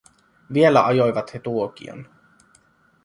Vielä ajoivat he tuokion.